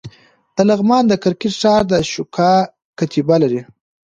د لغمان د کرکټ ښار د اشوکا کتیبه لري